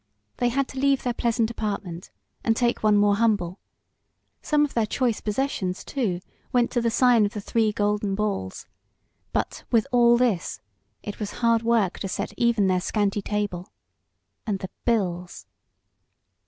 They had to leave their pleasant apartment and take one more humble. Some of their choice possessions, too, went to the sign of the three golden balls; but, with all this, it was hard work to set even their scanty table. And the bills!